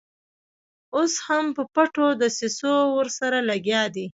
اوس هم په پټو دسیسو ورسره لګیا دي.